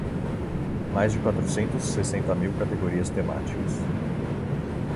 Mais de quatrocentos e sessenta mil categorias temáticas.